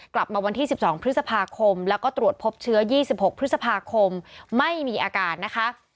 กลับมาวันที่๑๒พฤษภาคมแล้วก็ตรวจพบเชื้อ๒๖พฤษภาคมไม่มีอาการนะคะ